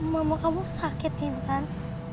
mama kamu sakit intan